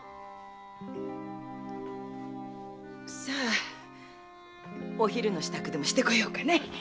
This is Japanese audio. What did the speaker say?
さあお昼の支度でもしてこようかね。